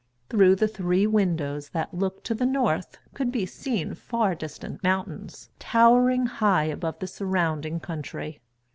Through the three windows that looked to the north could be seen far distant mountains, towering high above the surrounding country.